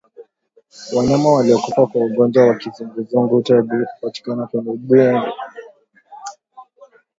Wanyama waliokufa kwa ugonjwa wa kizunguzungu tegu hupatikana kwenye ubongo